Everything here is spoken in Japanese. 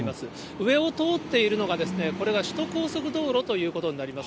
上を通っているのが、これが首都高速道路ということになります。